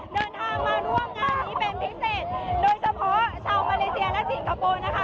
เดินทางมาร่วมงานนี้เป็นพิเศษโดยเฉพาะชาวมาเลเซียและสิงคโปร์นะคะ